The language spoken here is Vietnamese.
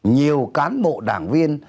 nhiều cán bộ đảng viên